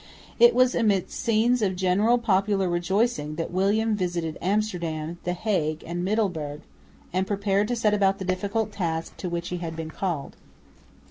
It was amidst scenes of general popular rejoicing that William visited Amsterdam, the Hague and Middelburg, and prepared to set about the difficult task to which he had been called.